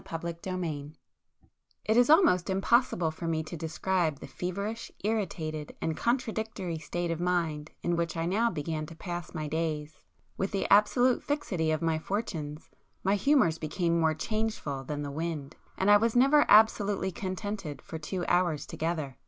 [p 178]XVI It is almost impossible for me to describe the feverish, irritated and contradictory state of mind in which I now began to pass my days. With the absolute fixity of my fortunes, my humours became more changeful than the wind, and I was never absolutely contented for two hours together.